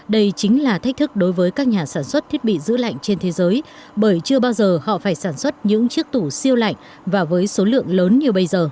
đây chính là thách thức đối với các nhà sản xuất thiết bị giữ lạnh trên thế giới bởi chưa bao giờ họ phải sản xuất những chiếc tủ siêu lạnh và với số lượng lớn như bây giờ